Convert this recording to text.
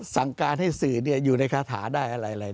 สั่งการให้สื่ออยู่ในคาถาได้อะไร